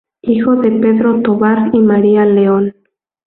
Hijo de Pedro Tovar y María León.